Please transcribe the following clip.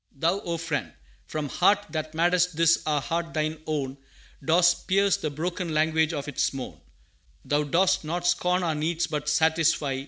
............. "Thou, O Friend From heaven, that madest this our heart Thine own, Dost pierce the broken language of its moan Thou dost not scorn our needs, but satisfy!